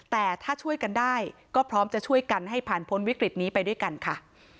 แต่ถ้าช่วยกันได้ก็พร้อมจะช่วยกันให้ผ่านพ้นวิกฤตนี้ไปด้วยกันค่ะ